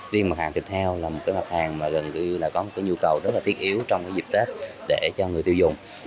riêng một hàng thịt heo là một mặt hàng có nhu cầu rất thiết yếu trong dịp tết để cho người tiêu dùng